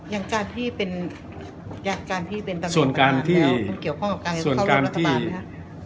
อย่างการที่เป็นการที่เป็นตำรวจกลางแล้วมันเกี่ยวข้องกับการเข้าร่วมรัฐบาลไหมคะ